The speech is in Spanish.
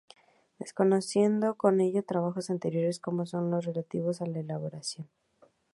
Desconociendo con ello trabajos anteriores como son los relativos a la "elaboración".